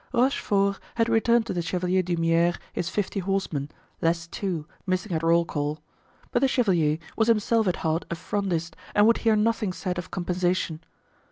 Rochefort had returned to the Chevalier d'Humieres his fifty horsemen, less two, missing at roll call. But the chevalier was himself at heart a Frondist and would hear nothing said of compensation.